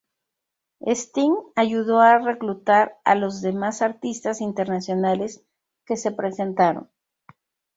Sting ayudó a reclutar a los demás artistas internacionales que se presentaron.